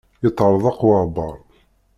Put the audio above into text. Yeṭṭerḍeq waεbar.